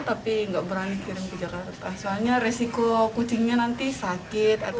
tapi nggak berani kirim ke jakarta soalnya resiko kucingnya nanti sakit atau